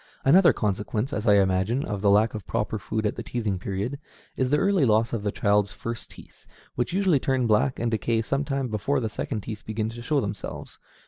Another consequence, as I imagine, of the lack of proper food at the teething period, is the early loss of the child's first teeth, which usually turn black and decay some time before the second teeth begin to show themselves.